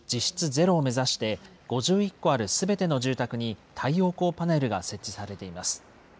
ゼロを目指して、５１戸あるすべての住宅に太陽光パネルが設置されています。